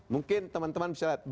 mungkin teman teman bisa lihat